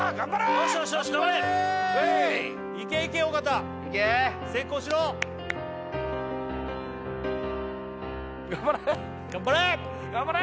よしよしよし頑張れいけいけ尾形いけ成功しろ頑張れ頑張れ！